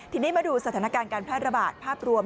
ทีนี้มาดูสถานการณ์การแพร่ระบาดภาพรวม